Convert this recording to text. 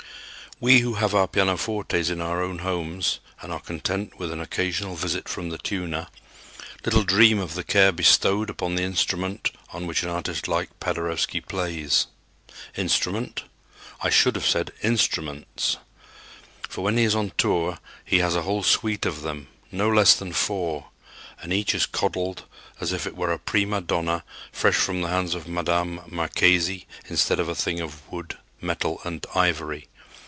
We who have our pianofortes in our own homes and are content with an occasional visit from the tuner, little dream of the care bestowed upon the instrument on which an artist like Paderewski plays. Instrument? I should have said instruments; for, when he is on tour, he has a whole suite of them, no less than four, and each is coddled as if it were a prima donna fresh from the hands of Madame Marchesi, instead of a thing of wood, metal and ivory.